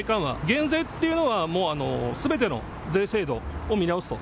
減税っていうのはすべての税制度を見直すと。